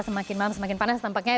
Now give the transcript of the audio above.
semakin malam semakin panas tampaknya